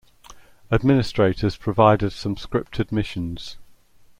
Administrators provide some scripted missions.